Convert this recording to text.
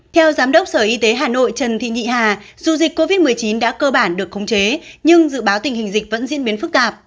theo giám đốc sở y tế hà nội trần thị nhị hà dù dịch covid một mươi chín đã cơ bản được khống chế nhưng dự báo tình hình dịch vẫn diễn biến phức tạp